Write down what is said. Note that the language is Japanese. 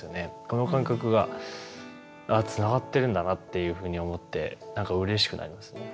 この感覚がああつながってるんだなっていうふうに思ってなんかうれしくなりますね。